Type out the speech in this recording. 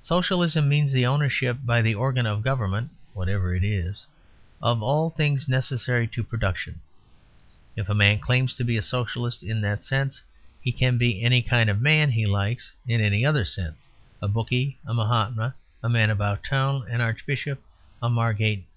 Socialism means the ownership by the organ of government (whatever it is) of all things necessary to production. If a man claims to be a Socialist in that sense he can be any kind of man he likes in any other sense a bookie, a Mahatma, a man about town, an archbishop, a Margate nigger.